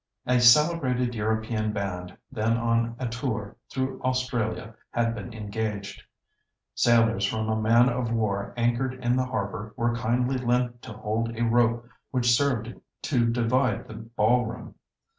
A celebrated European band, then on a tour through Australia, had been engaged. Sailors from a man of war anchored in the harbour were kindly lent to hold a rope which served to divide the ball room.